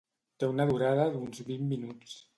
Té una durada d'uns vint minuts.